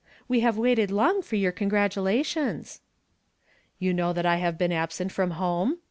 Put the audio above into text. We have waited long for your congratulations." "You know that I have been absent from home?"